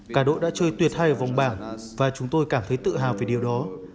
cả đội đã chơi tuyệt hai ở vòng bảng và chúng tôi cảm thấy tự hào về điều đó